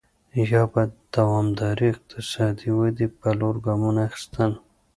یا به د دوامدارې اقتصادي ودې په لور ګامونه اخیستل.